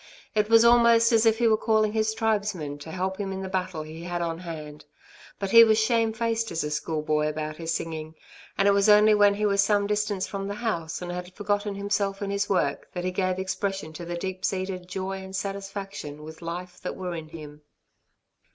It was almost as if he were calling his tribesmen to help him in the battle he had on hand. But he was as shamefaced as a schoolboy about his singing, and it was only when he was some distance from the house, and had forgotten himself in his work, that he gave expression to the deep seated joy and satisfaction with life that were in him.